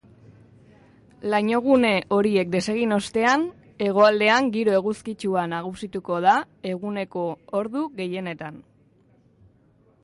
Lainogune horiek desegin ostean, hegoaldean giro eguzkitsua nagusituko da eguneko ordu gehienetan.